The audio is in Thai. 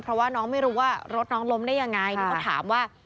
เพราะว่าน้องไม่รู้ว่ารถน้องล้มได้ยังไงนี่ก็ถามว่า